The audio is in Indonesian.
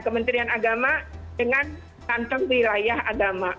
kementerian agama dengan kantong wilayah agama